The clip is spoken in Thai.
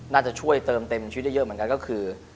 น่าจะช่วยเติมเสียชีวิตเยอะมันก็คือ